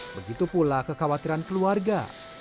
begitu pula kekhawatiran keluarga